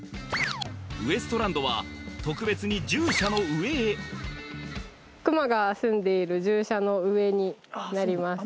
ウエストランドは特別に獣舎の上へクマがすんでいる獣舎の上になります